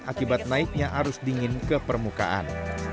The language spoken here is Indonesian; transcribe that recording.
akibat naiknya arus dingin ke permukaan